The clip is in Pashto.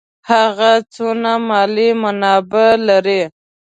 هغه څونه مالي منابع لري.